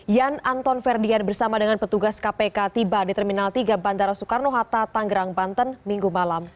yan anton ferdian bersama dengan petugas kpk tiba di terminal tiga bandara soekarno hatta tanggerang banten minggu malam